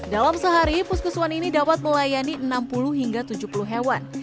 dalam sehari puskesuan ini dapat melayani enam puluh hingga tujuh puluh hewan